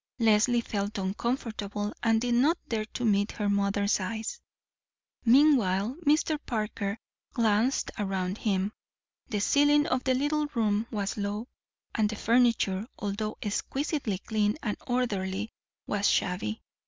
Leslie felt uncomfortable, and did not dare to meet her mother's eyes. Meanwhile Mr. Parker glanced around him. The ceiling of the little room was low, and the furniture, although exquisitely clean and orderly, was shabby.